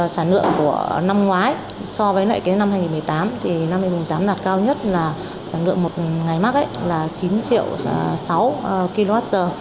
sản lượng của năm ngoái so với lại cái năm hai nghìn một mươi tám thì năm hai nghìn một mươi tám đạt cao nhất là sản lượng một ngày mắc là chín triệu sáu kwh